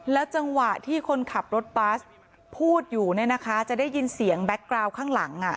จังหวะที่คนขับรถบัสพูดอยู่เนี่ยนะคะจะได้ยินเสียงแบ็คกราวข้างหลัง